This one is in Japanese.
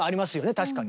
確かにね。